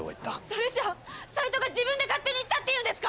それじゃ斎藤が自分で勝手に行ったっていうんですか！